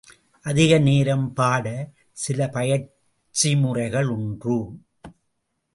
அதிக நேரம் பாட – சில பயிற்சி முறைகள் ஒன்று.